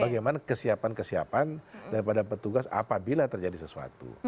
bagaimana kesiapan kesiapan daripada petugas apabila terjadi sesuatu